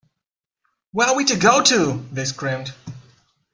‘Where are we to go to?’ they screamed.